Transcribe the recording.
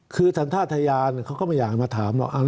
คือทันท่าทะยานเขาก็ไม่อยากมาถามหรอก